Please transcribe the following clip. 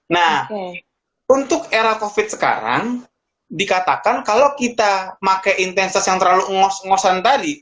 nah untuk era covid sekarang dikatakan kalau kita pakai intensitas yang terlalu ngos ngosan tadi